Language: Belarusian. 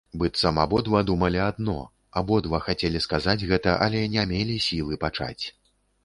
Быццам абодва думалі адно, абодва хацелі сказаць гэта, але не мелі сілы пачаць.